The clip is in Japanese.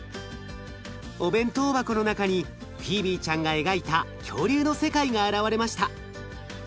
お弁当箱の中にフィービーちゃんが描いた恐竜の世界が現れました。